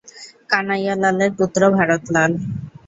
কানাইয়া লালের পুত্র ভারত লাল।